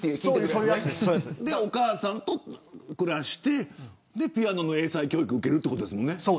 それでお母さんと暮らしてピアノの英才教育を受けるってことですもんね。